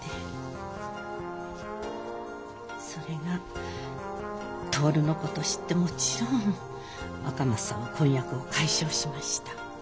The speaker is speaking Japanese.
それが徹の子と知ってもちろん赤松さんは婚約を解消しました。